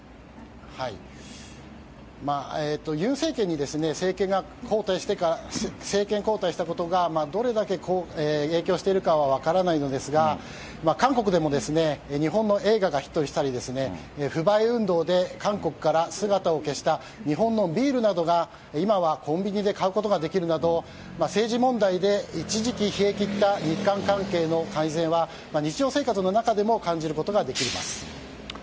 尹政権に政権交代したことがどれだけ影響しているかは分からないのですが韓国でも日本の映画がヒットしたり不買運動で韓国から姿を消した日本のビールなどが今はコンビニで買うことができるなど政治問題で一時期冷え切った日韓関係の改善は日常生活の中でも感じることができます。